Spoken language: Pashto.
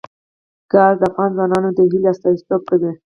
ګاز د افغان ځوانانو د هیلو استازیتوب کوي.